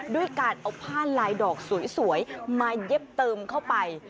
ด้วยการเอาผ้าลายดอกสวยมาเย็บเติมเข้าไป